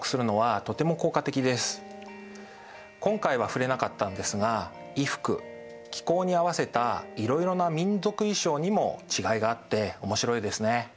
今回は触れなかったんですが衣服気候に合わせたいろいろな民族衣装にも違いがあって面白いですね。